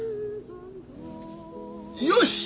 よし！